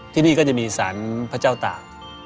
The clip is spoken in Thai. ที่นี่ก็จะมีสารพระเจ้าตาก